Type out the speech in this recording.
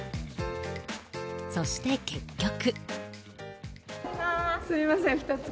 そして、結局。